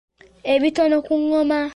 Ebitono ku ngoma.